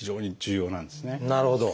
なるほど。